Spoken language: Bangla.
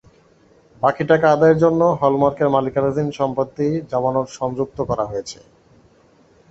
বাকি টাকা আদায়ের জন্য হল-মার্কের মালিকানাধীন সম্পত্তি জামানত সংযুক্ত করা হয়েছে।